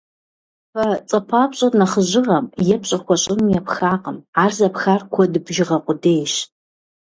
«Фэ» цӏэпапщӏэр нэхъыжьагъым е пщӏэ хуэщӏыным епхакъым, ар зэпхар куэд бжыгъэ къудейщ.